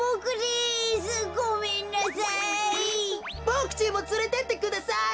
ボクちんもつれてってください。